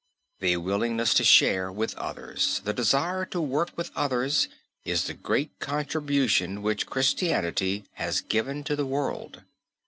The willingness to share with others, the desire to work with others is the great contribution which Christianity has given to the world.